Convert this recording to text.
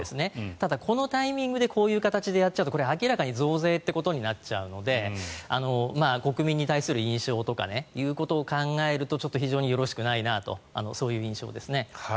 ただ、このタイミングでこういう形でやっちゃうとこれは明らかに増税ということになっちゃうので国民に対する印象とかを考えるとちょっと非常によろしくないなとそういう印象です。